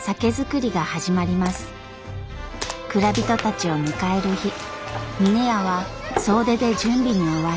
蔵人たちを迎える日峰屋は総出で準備に追われ。